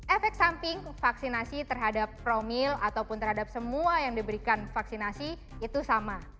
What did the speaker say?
efek samping vaksinasi terhadap promil ataupun terhadap semua yang diberikan vaksinasi itu sama